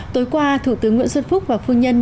tối qua thủ tướng nguyễn xuân phúc và phu nhân